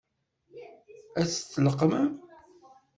Ad tt-tleqqmem?